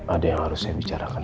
ada yang harus saya bicarakan